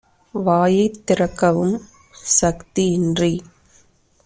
வாயைத் திறக்கவும் சக்தி - இன்றி